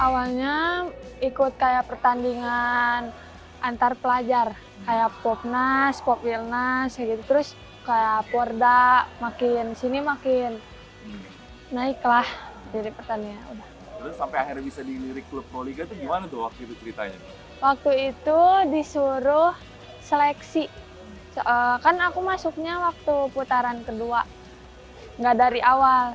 waktu itu disuruh seleksi kan aku masuknya waktu putaran kedua gak dari awal